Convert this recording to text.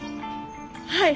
はい。